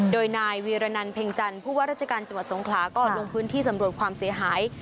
โดยนายวีรนันเพ็งจันทร์ผู้ว่าราชการจังหวัดสงขลาก็ลงพื้นที่สำรวจความเสียหาย